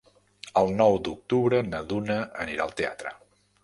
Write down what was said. El nou d'octubre na Duna anirà al teatre.